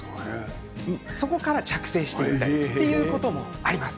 そこから着生していったということもあります。